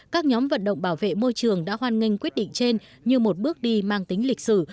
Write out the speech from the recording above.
các nhóm vận động bảo vệ môi trường đã hoan nghênh quyết định trên như một bước đi mang tính lịch sử